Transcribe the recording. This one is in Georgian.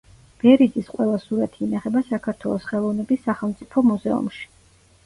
ბერიძის ყველა სურათი ინახება საქართველოს ხელოვნების სახელმწიფო მუზეუმში.